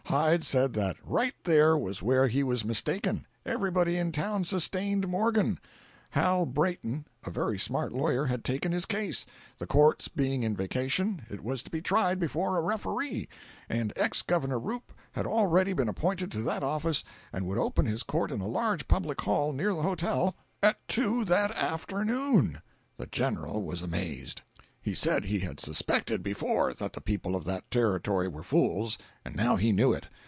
Hyde said that right there was where he was mistaken—everybody in town sustained Morgan; Hal Brayton, a very smart lawyer, had taken his case; the courts being in vacation, it was to be tried before a referee, and ex Governor Roop had already been appointed to that office and would open his court in a large public hall near the hotel at two that afternoon. The General was amazed. He said he had suspected before that the people of that Territory were fools, and now he knew it.